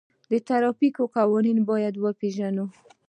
د ترافیکو قوانین باید وپیژنو.